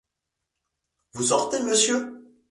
Vous sortez, monsieur ?